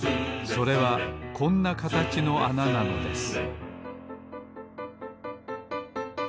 それはこんなかたちのあななのです